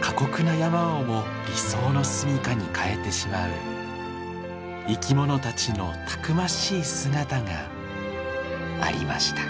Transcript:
過酷な山をも理想の住みかに変えてしまう生き物たちのたくましい姿がありました。